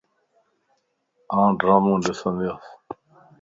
آن ڊرامو ڏندياس